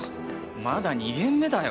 まだ２限目だよ。